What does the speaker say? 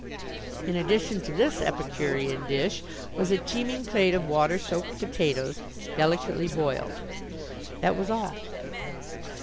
In addition to this epicurean dish was a teeming plate of water soaked potatoes, delicately boiled. That was all.